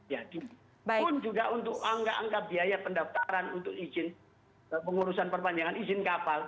ya pun juga untuk angka angka biaya pendaftaran untuk izin pengurusan perpanjangan izin kapal